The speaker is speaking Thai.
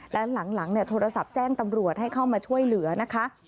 และหลังโทรศัพท์แจ้งตำรวจให้เข้ามาช่วยเหลือนะคะ